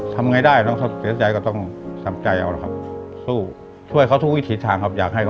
ทำไงได้นิดเดียวก็ต้องสะใจแล้วครับกูช่วยเขาปฎิษฐานครับอยากให้